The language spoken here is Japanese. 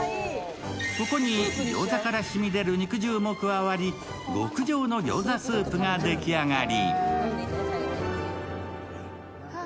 ここに餃子から染み出る肉汁も加わり、極上の餃子スープが出来上がり。